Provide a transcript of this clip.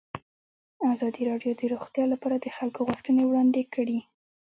ازادي راډیو د روغتیا لپاره د خلکو غوښتنې وړاندې کړي.